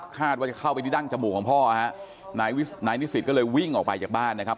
คาดว่าจะเข้าไปที่ดั้งจมูกของพ่อฮะนายนิสิตก็เลยวิ่งออกไปจากบ้านนะครับ